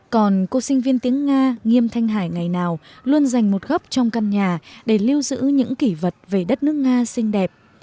còn cô sinh viên tiếng nga nghiêm thanh hải ngày nào luôn dành một góc trong căn nhà để lưu giữ những kỷ vật về đất nước nga xinh đẹp